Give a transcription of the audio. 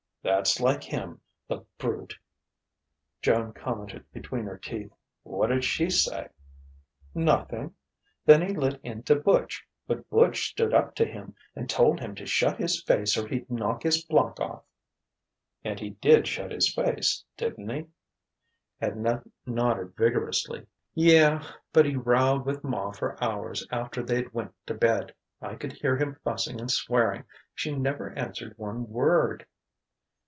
"That's like him, the brute!" Joan commented between her teeth. "What'd she say?" "Nothing. Then he lit into Butch, but Butch stood up to him and told him to shut his face or he'd knock his block off." "And he did shut his face, didn't he?" Edna nodded vigorously. "Yeh but he rowed with ma for hours after they'd went to bed. I could hear him fussing and swearing. She never answered one word."